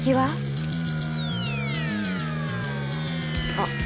あっ！